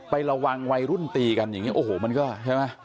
ไประวังวัยรุ่นตีกันโอ้โหมันก็ใช่ไหม